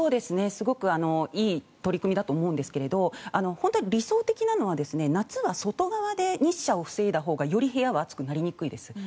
すごくいい取り組みだと思うんですけど本当は理想的なのは夏は外側で日射を防いだほうがより部屋は暑くなりにくいです。